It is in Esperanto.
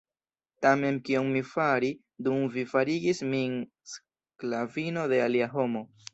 Tamen kion mi fari dum vi farigis min sklavino de alia homo?